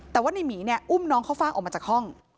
แต่ว่าในหมีเนี่ยอุ้มน้องเข้าฟ่างออกมาจากห้อง